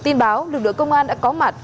tin báo lực lượng công an đã có mặt